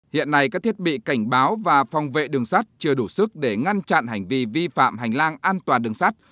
hiện nay các thiết bị cảnh báo và phòng vệ đường sắt chưa đủ sức để ngăn chặn hành vi vi phạm hành lang an toàn đường sắt